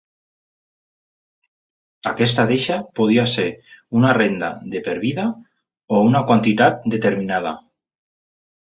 Aquesta deixa podia ser una renda de per vida o una quantitat determinada.